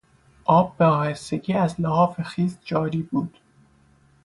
آب به آهستگی از لحاف خیس جاری بود.